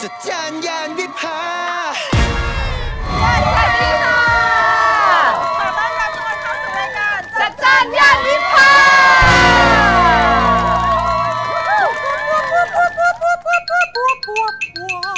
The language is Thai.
ด้านวิทยาลสวัสดิ์ถ้าเข้าสู่รายงาน